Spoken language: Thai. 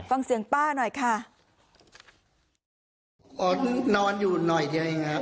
ฟังเสียงป้าหน่อยค่ะอ๋อนอนอยู่หน่อยเดียวเองครับ